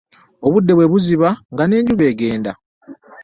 Obudde bwebuziba nga ne njuba egenda.